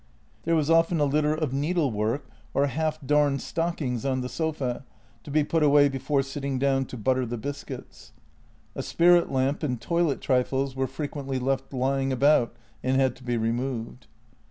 There was often a litter of needlework or half darned stockings on the sofa to be put away before sitting down to butter the biscuits. A spirit lamp and toilet trifles were fre quently left lying about and had to be removed.